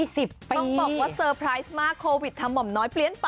ต้องบอกว่าเซอร์ไพรส์มากโควิดทำหม่อมน้อยเปลี่ยน